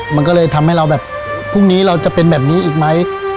มันก็เลยทำให้เราแบบพรุ่งนี้เราจะเป็นแบบนี้อีกไหม